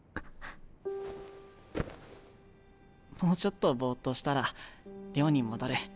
もうちょっとボッとしたら寮に戻る。